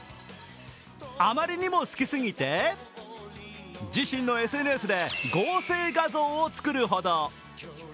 あまりにも好きすぎて自身のＳＮＳで合成画像を作るほど。